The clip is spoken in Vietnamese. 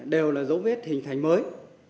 đều là dấu vết hình thành mới